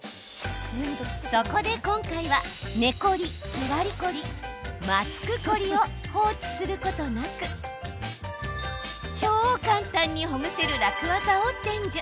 そこで今回は、寝コリ、座りコリマスクコリを放置することなく超簡単にほぐせる楽ワザを伝授。